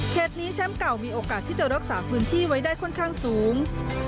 นี้แชมป์เก่ามีโอกาสที่จะรักษาพื้นที่ไว้ได้ค่อนข้างสูง